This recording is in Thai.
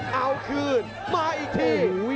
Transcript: เอาคืนมาอีกที